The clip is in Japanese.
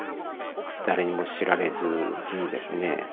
誰にも知られずにですね